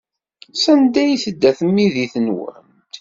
Sanda ay tedda tmidit-nwent?